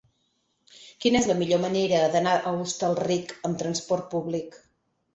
Quina és la millor manera d'anar a Hostalric amb trasport públic?